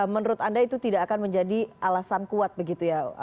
menurut anda itu tidak akan menjadi alasan kuat begitu ya